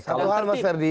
satu hal mas ferdi